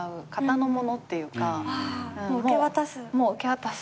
受け渡す。